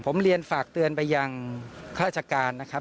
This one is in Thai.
ผมเรียนฝากเตือนไปยังข้าราชการนะครับ